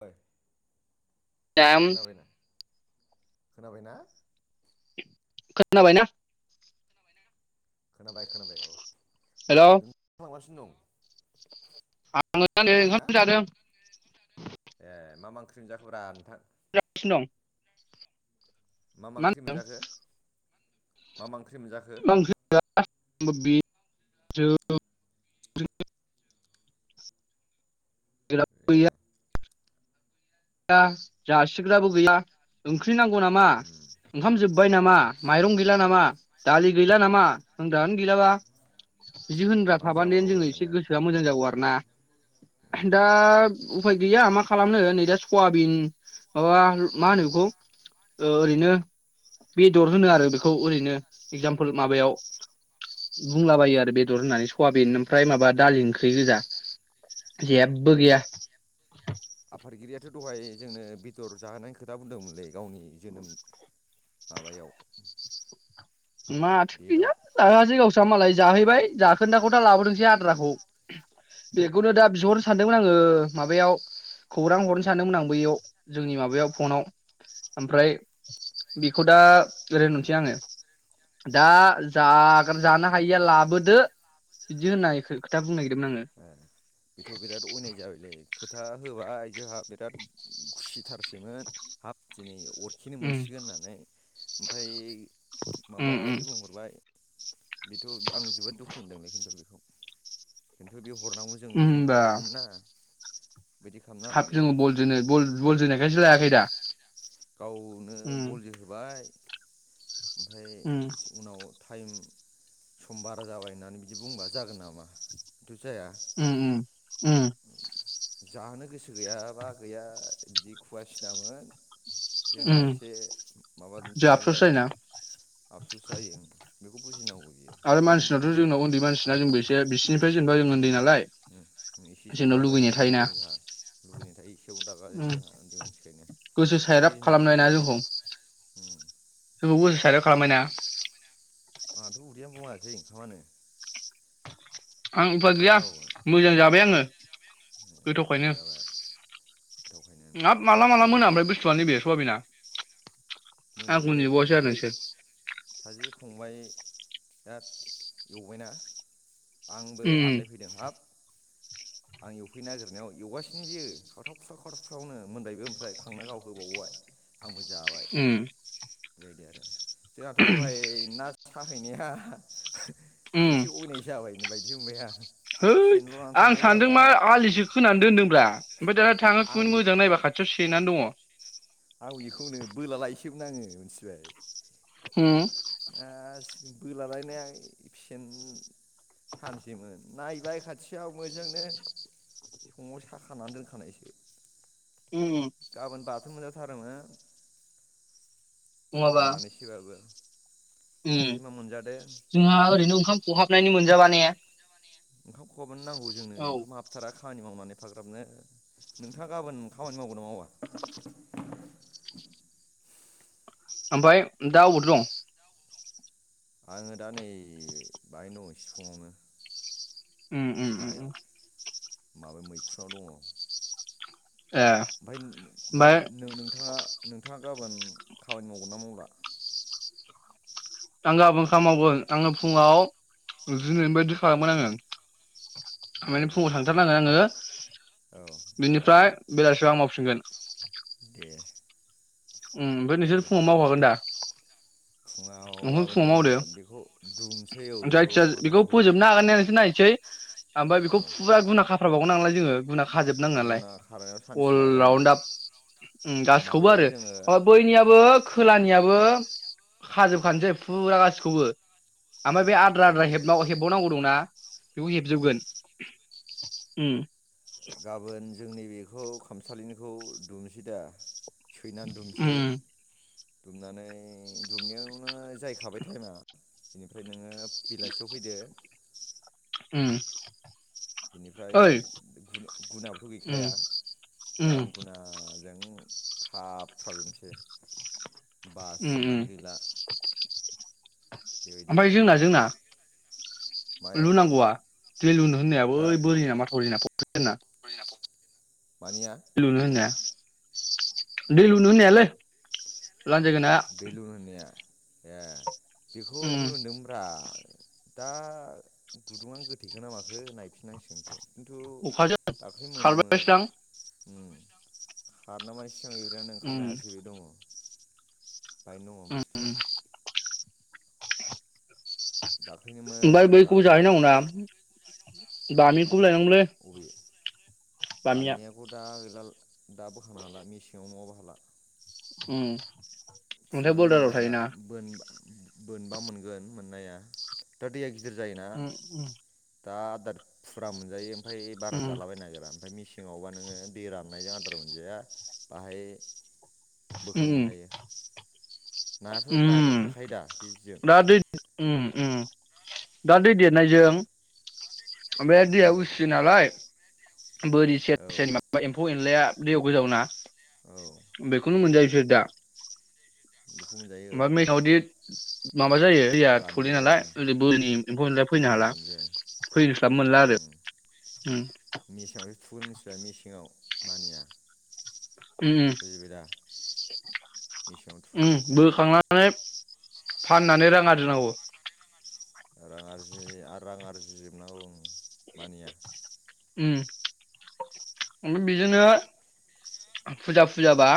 बाय। [unintelligible] खोनाबायना? खोनाबायना? खोनबाय खोनबाय औ। हेल' नोंथांआ मा खालामगासिनो दं? आङो दा नै खोनाबायना ओंखाम जादों। ए मा मा ओंख्रि मोनजाखोब्रा नोंथां? [unintelligible] दं। मा मा मानो ओंख्रि मोनजाखो? मा मा ओंख्रि? मोनजाखो? मा ए [unintelligible] आ जासिग्राबो गैया ओंख्रि ओंख्रि नांगौ नामा उम ओंखाम जोब बाय नामा? माइरं गैला नामा? दालि गैला नामा? होनग्रायानो गैलाबा। बिदि होनग्रा मा थाबादेन जाबावनांगौ जों जाखो एसे ने गोसोआ मोजां जागौ आरोना [unintelligible] उम दा। उफाय गैया मा खालामनो नै दा। सवाबिन माबा मा होनो बेखौ ओरैनो बेदर होनो आरो बेखौ ओरैनो एक्जामपोल उम माबायाव बुंलाबायो आरो बेदर होननानै सवाबिन उम ओमफ्राय माबा दालि ओंख्रि गोजा जेबो गैया। आफादगिरियाथ' दहाय जोंनो बेदर जाहोनायनि खोथा बुंदोंमोनलै। गावनि जोनोम माबायाव। माथो डेटआव गैया [unintelligible] मालाय जाहैबाय जाखोन्दाखौ दा लाबोदोंसै आद्राखौ बेखौनो दा बिहरनो सानदोंमोन आङो माबायाव खौरां हरनो सानदोंमोन आं बैयाव जोंनि माबायाव फनाव ओमफ्राय बिखौ दा बिदि ओरै होनहरसै आङो। दा जा जानो हायिया लाबोदो बिदि होनना खोथा बुंनो नागिरदोंमोन ए बेथ' बिराद अनाय जाबायलै। खोथा होबाय जोंहा बिराद खुसिथारसैमोन हाब दिनै अरखेनो आङो उम मोनसिगोन होननानै ओमफ्राय माबा उम उम माबासो बुंहरबाय। बेथ' आं जोबोद दुखु मोनदोंलै खिन्थु बेखौ। इन्थारबिउ हरनांगौ जों जोंथ' होमबा लायगौमोन ना बिदि खालामनाङामोन हाब बेयो जोङो बल जोनो बल बल जोनायखायसो लायाखै दा गावनो उम बल जोहोबाय ओमफ्राय उम उनाव टाइम सम बारा जाबाय होननानै बिदि बुंबा जागोन नामा बेथ' जाया उ-उ उम जाहोनो गोसो गैयाबा गैया बिदि खुवासिनामोन जोंहा उम एसे माबा जोंहा थानाय आफस'स जाबायना जायोना आफबसुस जायो बेखौ बुजिनांगौ बियो आरो मानो बिदि मानसिनावथ' खालामनांगौ जोंनाव बेलाय उन्दै मानसिना जोंबो एसे बिसिनिफ्राय जेनेबा जों उन्दै नालाय एसे समआव जोंनाव दागा लुगैनाय जोंनानै दं थायोना जोंहा लुबै थायो एसेयाव रागा जों उम जोंहा उन्दै मानसिखायनो गोसो सायराब बुजिनांगौ खालामनाय ना बेयो जोंखौ बायना आंहाथ' उदैआ बुङासै ओंखामानो आं उफाय मा गैया जाबावगोन मोजां जाबाय आङो गोथावखायनो मोजां जाबाय गोथावखायनो हाब माला- माला मोना जानांगौ ओमफ्राय बुस्थुआनो बे सयाबिना आंखौ मोनोलै नेबावासै आरो नोंसोर फंबबाय बिराद एवबायना आंबो उम आन्दायफैदों हाब आं एवफैनो नागिरनायाव एवगासिनो बियो खावथाब फ्राव खावथाबफ्रावनो मोनबायबो ओमफ्राय खांना गाव होबावबाय आंबो जाबाय उम बिदि आरो जोंहाथ' दहाय ना साहैनाया एसे अयनाय जाबायनो बायदि [unintelligible] है सेनल' लाना आं थांनाय सानदों मा जाबाय आलिसो खोना दोनदोंब्ला ओमफ्राय दाना थाङो आंबो थुनो मोजां नायबा खाथियाव से नानो दङ आं बेखौनो बोला लायसोमोन आङो मिथिबाय उम बोलालायनाया सेन सानसैमोन नायबाय खाथियाव मोजोंनो सङाव साखानानै दोनखानायसो उम गाबोन बाथोन मोनजाथारोमोन नङाबा मानैसैबाबो उम जोंहा ओरैनो ओंखाम खहाब हाबनायनि मोनजाबा ने ओंखाम खाहाबानो नांगौ जोंनो ओंखाम हाबथारा खामानि मावनानै एफाग्राबनो नों नोंथाङा गाबोन खामानि मावगोन ना मावा? ओमफ्राय दा अबावथ' दं? आङो दा नै बाहाय न' सिफुङावनो उम उम उम सायाव उम माबा मैखुआव दङ ए ओमफ्राय ओमफ्राय ओमफाय नों-नोंथाङा नोंथाङा गाबोन खामानि मावगोन ना मावला? आं गाबोन खालाम मावगोन आङो फुङाव दिनैनि बायदि औ खालामगोन आङो [inaudible] माने माबायदि फुङाव थांथारनांगोन आङो औ ओमफ्राय बेनिफ्राय बेलासियाव आं मावफिनगोन दे उम ओमफ्राय नोंसोर फुङाव जाजोबगोन मावखागोन दा फुङाव न'खौय गाबोन फुङाव जोङो मावदो बेखौ दुमसै औ जायखिजया बेखौ माखासेखौ फोजोबनो हागोनना हाया नायसै ओमफ्राय औ बेखौ फुरा गुना खाफ्राबावगोन नालाय जोङो गुना खाजोबनांगोन नालाय गुना खारायाव सानसे अल लागोन राअनदाब उम गासिबखौबो माबायाव आरो जोङो ओ बैनियाबो खोलानिया ओ खाजोबखानोसै फुरा गासिखौबो उम ओमफ्राय बे आद्रा नै आद्रा नै हेबाव हेबबावांगौ दंना बेखौ उम हेबजोबगोन उम गाबोन जोंनि बे बेखौ खामसालिनिखौ दुमसै दा। सैनानै उम दुमसै। दुमनानै दुमनायावनो जायै खाबाय टाइमा। बिनिफ्राय नोङो बेलासियाव फैदो। उम। बेनिफ्राय ओइ गु गुुनाबोथ' उम गैखाया उम गाबोन गुनाजों खाफ्राब जोबसै। उ उ। बेबायदि ओमफाय आरो जोंना जोंना। माया लुनांगौआ दै लुनो होननाया हो बै बोरि ना माथावरि ना [unintelligible] [inaudible] लुनो होनाया। दै लुनो होननायालै लानजायगोन हाया दै लुनो होननाया। ए। बेखौ उम [unintelligible] दा गुदुङानो गोथेखो ना माखो नायफिन नांसिगोनसो। खिन्थु अखाजों दाख्लै मोनोमोन खारबायसोदां उम। खारनो माने [unintelligible] ओंखारनो उम हायासै बे दङ। बायनो दङ बुस्थुआ। उमबाय दाख्लैनोमोन बैखौबो जाहै जानांगौआ नांगौ ना। बामि। अबे बामिया बामियाखौ दा गैला दा बोखानो हाला मेसेङाव नङाबा हाला। [unintelligible] उम। अन्थाइ फुनानै बरदाराव मोनला दा थायोना बोन बोनबा मोनगोन मोननाया दा दैया [unintelligible] जायोना उम दा आदार फुरा मोनजायो। ओमफ्राय बारा उम जालाबायनो नागिरा ओमफ्राय मेसिन मेसेंङावबा नोङो दै राननायजों आदार मोनजाया बाहाय बोखांनो उम हायो। नायाथ' उम नायाथ' थाखायो दा बिजों दा दै उम उम। दा दै देरनायजों ओमफ्राय दैया उम उसियो नालाय बोरि औ सेर सेर माबा एम्फौ एन अलाया दैयाव गोजावना औ उम बेखौनो मोनजायो इसोर दा। बेखौ मोनजायो। मा औ मैथावदि मा माबा जायो दैया थौलि रानजोबो नालाय ओं ओरै बोरनि एम्फौ एनाया फैनो ओं हाला रानजो फैनोस्लाबो मोनला आरो उम मेसेङावसो थुगोन मिथिबाय मेसेङाव मानिया [inaudible] बुजिबायदा? उम बोखांना माने फाननानै रां आरजि नांगौ। जोबनांगौ औ मानिया। उम ओमफ्राय बेजोंनो फुजा फुजाबा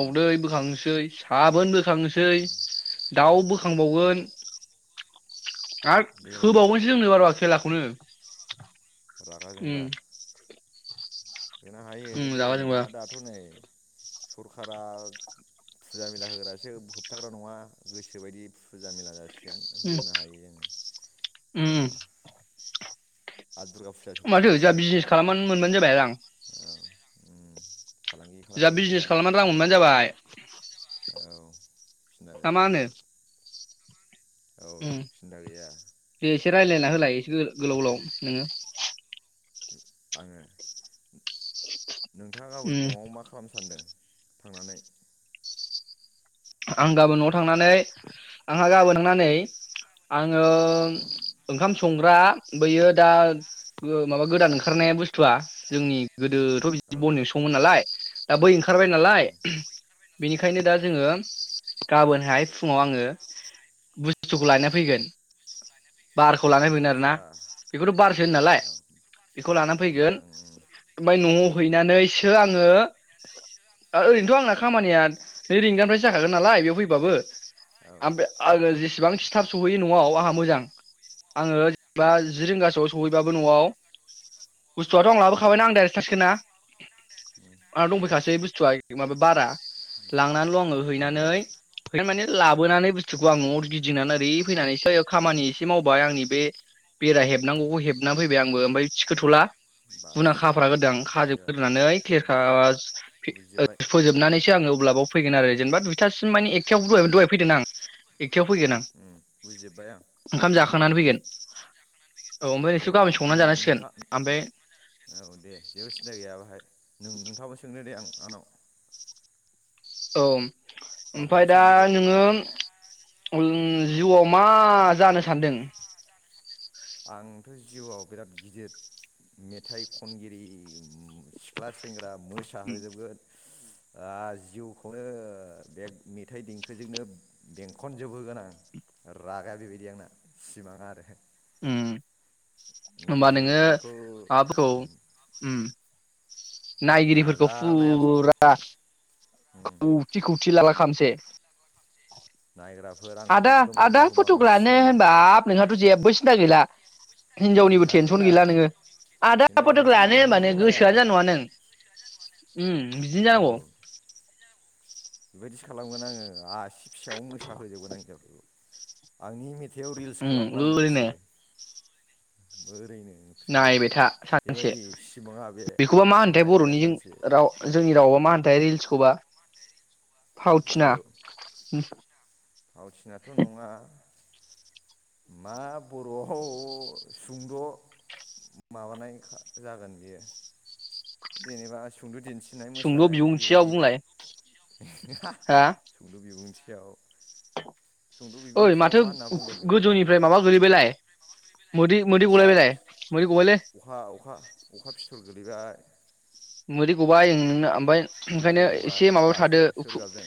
उम बोखांसै साबोनबो बोखांसै उम दाउ बो बोखांबावगोन। आरो देग्लाय होबावनोसो जोंनो बाराबा खेलाखौनो। रागा उम। जोंबा होनो हायो उम जेबो रागा जोंबा नङा दाथ' नै सरखारारा फुजा मेला होग्रासो होबथाग्रा नङा गोसोबायदि फुजा मेला जासि उम होनो हायो जोङो उम बेयाव नङा। आरो दुर्गा फुजा माथो जोंहा सफैथारसैलाय नै बिजनेस खालामनानै मोनबानो जाबाय रां। औ उम फालांगि जोंहा खालामनानै बिजनेस खालामनानै रां मोनबानो आरजिनांगौ जाबाय। औ सिन्था नामा गैया होनो? [inaudible] औ उम सिन्था गैया। दे एसे रायलायना होलाय इसे गो-गोलाव गोलाव नोङो। आङो नोंथाङा गाबोन उम न'आव मा खालामनो सानदों? थांनानै आं गाबोन न'आव थांनानै आंहा गाबोन थांनानै आं ओ आंखाम स संग्रा बैयो दा माबा गोदान ओंखारनाया बुस्थुआ जोंनि गोदोथ' औ बिदि बनजोंसो सोङोमोन नालाय दा बै ओंखारबाय नालाय उम बेनिखायनो उम दा जोङो गाबोनहाय फुङाव आङो बुस्थुखौ लायना फैगोन। बारखौ लानानै फैगोन आरोना आदसा बेखौथ' बारसो होन नालाय औ बेखौ लानानै फैगोन बार ओं ओं ओमफ्राय न'आव हैनानैसो आङो ओरैनोथ' आंना खामानिया नै रिंगानिफ्रायसो जाखागोन नालाय बेयाव फैबाबो औ [unintelligible] इसिबां खिथाब सहैयो न'आव आंहा मोजां आङोेनबा जि रिंगासोआव सहैबाबो न'आव बुस्थुआथ' आं लाबोखाबायना आं दायरेक थांसिगोन ना। आंना उम दंफैखासै बुस्थुवा माबा बारा लांनानैल' आं औ हैनानै माने लाबोनानै बुस्थुखौ आं न'आव गिदिंनानै ओरै फैनानै एसे खामानि एसे मावबाय आंनि बे बेरा हेबनांगौखौ हेबनानै फैबाय आंबो ओमफ्राय थिखोथ'ला। बास गुना खाफ्रा उम ग्रोदों जाबाय जाबाय खाजोबग्रोनानै खेरखा उम बुजिजोब्बाय उम थुखोजोबनानैसो आङो अब्लाबाव फैगोन आरोे जेनबा दुइथासिम मानि एखथायाव दहाय फैदों आं। एकथायाव फैगोन आं उम बुजिजोबबाय आं ओंखाम बुजिजोबबाय जाखांनानै ओ फैगोन औ ओमफ्राय दे नोंसोर गाबोन संनानै नो-नो- जानांसिगोन नोंथा ओमफ्राय औ दे जेबो सिन्था गैया बाहाय। नों नोंथांङाबो सोंनो दे आं आनाव औम। ओमफाय दा सोंदो दे नोङो उम जिउआव मा जानो सानदों? आंथ' जिउआव बिराद गिदिर मेथाइ खनगिरि सिख्ला सेंग्रा दा मोसाहोजोबगोन आ जिउखौनो बे मेथाइ देंखोजोंनो बेंखनजोबहोगोन आं रागा बेबायदि आंना सिमाङा आरो। उम होमबा नाथाय नोङो बेखौ माबाफोरखौ ओम नायगिरिफोरखौ नाजानायाथ' फुरा खौसे खौ फुथि लाला खालामसै नायग्राफोर आंखौ आदा एकदमबारे आदा बुहुमावनो फट'कनो सिनायनाय होनबा नोंहाथ' जेबबो सिन्था गैला। हिनजावनिबो टेनसन गैला नोङो आदा फथक सिन्नायदोंसो गैला लानो होनबानो हिनजावखौनो लाया गोसोआनो जानाय नङा नों उम बिदिनो जांगौ बेबायदि खालामगोन आङो आसि फिसायाव मोसाहोजोबगोन आं हिनजाव आंनि मे थायाव रिल्स उम खालामनांगोन ओरैनो बिसोरो ओरैनो ओंख्रियावनो नायबाय था सानसे बेबायदि सिमाङा बे बेखौबा मा होनथाय नायबाय दा बर'नि सानसे राव जोंनि रावबा मा होनथाय रिल्स खौबा। रिल्सखौ फावथिनाथ' नङा। मा बर'आव सुंद' माबानाय जागोन बियो जेनेबा सुंद' दिन्थि सुंद' बिबुंथियाव बुंलाय। हा [unintelligible] बिबुंथियाव सुंद' ओइ बिबुंथियाव माथो मा होनना बुंगोन बेखौलाय गोजौनिफ्राय माबा गोलैबायलाय मोदै मोदै गलायबायलाय मोदै गबायलै। अखा अखा अखा [unintelligible] मोदै गबाय उम नोंना ओमफ्राय। ओंखायनो मोदाय गबाय एसे माबायाव गासो थादो सोर गाबदों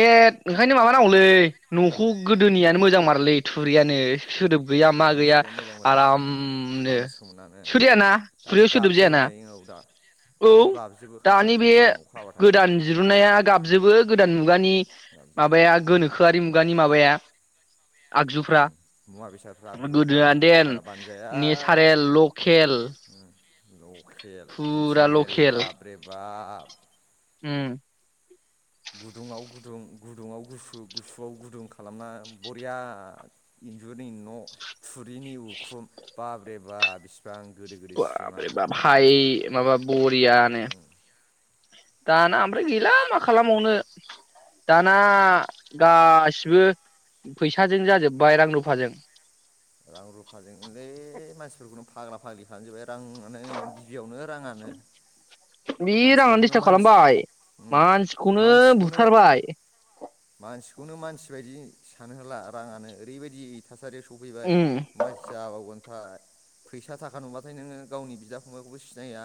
ए ओंखायनो माबानांगौलै जोमो न'खौ गोदोनियानो मोजां मारलै थुरियानो। सोदोब गैया मा गोजोन गैया थुरिया मोजांब्रा आरामनो हानो सोमोनानो सोदायाना दाथ' थुरियाव सोदोब गाबजोबो जायाना। नै औ दा औ दाथ' गाबजोबो खांख्रां दानि बे खुंख्रांनो अखा हाबाथाय गोदान दिरुन नाया गाबजोबो गोदान मुगानि गाबजोबो माबाया गोनोखोआरि मुगा नि माबाया आगजुफ्रा उम मुवा बेसादफ्रा गोदो बिगुरफ्रा ओं देन बारा बानजाया नेसारेल लकेल। लकेल फुरा मिथिंगायारि लकेल बाब रे बाब। [unintelligible] उम गुदुङाव गुदुं गुदुङाव गुसु गुसुआव गुदुं खालामना बरिया इन्जुरनि न' थुरिनि उखुम बाब्रे बा बिस बाब रे बाब भाय माबा बरियानो। उम दा ना। ओमफ्राय गैला मा खालामबनो। दाना गाससिबो फैसाजों जाजोब्बाय रां रुफाजों। रां रुफाजोंलै मानसिफोरखौनो। फाग्ला फाग्लि खालाम जोबबाय आरोना। रांआनो गिबियावनो रांआनो बे राङानो मानसिफोरखौनो दिस्टार्ब मानसि खालामबाय मानसिखौनो मानसिखौनो बुथारबाय मानसिखौनो मानसि बायदि। सानो होला राङानो ओरैबायदि थासारियाव सफैबाय। उम मा जाबावगोन थाय। फैसा थाखा नुबाथाय नोङो गावनि बिदा फंबायखौबो सिनाया।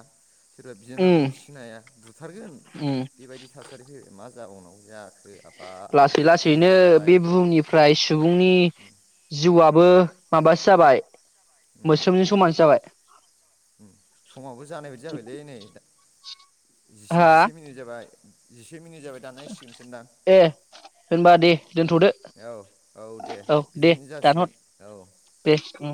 सोरबा उम बिनानावखौ सिनाया बुथारगोन उम बेबायदि थासारिखौ मा। मा जाबावनांगौ जाखो। आफा लासै बे लासैनो जुगालाय बे बुहुमनिफ्राय सुबुंनि जिउआबो। माबासो जाबाय। मोस्रोमजों समानोसो जाबाय समावबो जानाय बायदि जाबायलै नै जि हा जिसे मिनिट जाबाय उ से मिनिट जाबाय दानांसिगोनसोदां ए होनबा दे दोनथ'दो औ औ दे औ दे बिदिनो दानहर जासिगोन औ दे उम